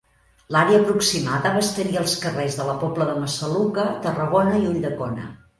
L'àrea aproximada abastaria els carrers de la Pobla de Massaluca, Tarragona i Ulldecona.